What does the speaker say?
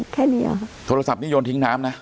แค่นี่อะฮะโทรศัพท์นี้โยนติ๊งท้ามนะ